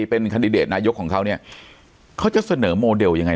เป็นคันดิเดตนายกของเขาเนี่ยเขาจะเสนอโมเดลยังไง